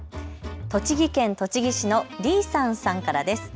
栃木県栃木市のりーさんさんからです。